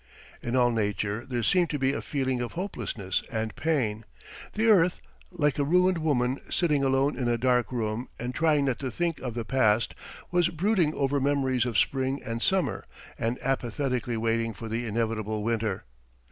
In all nature there seemed to be a feeling of hopelessness and pain. The earth, like a ruined woman sitting alone in a dark room and trying not to think of the past, was brooding over memories of spring and summer and apathetically waiting for the inevitable winter.